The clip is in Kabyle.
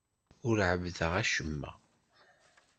Ur ɛebbdeɣ acemma.